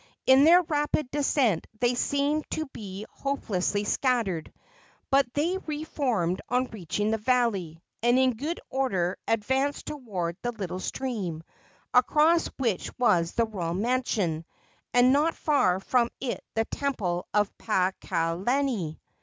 In their rapid descent they seemed to be hopelessly scattered, but they re formed on reaching the valley, and in good order advanced toward the little stream, across which was the royal mansion, and not far from it the temple of Paakalani.